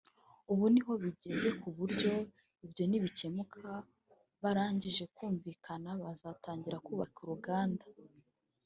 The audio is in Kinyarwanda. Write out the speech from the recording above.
ubu niho bigeze ku buryo ibyo nibikemuka barangije kumvikana bazatangira kubaka uruganda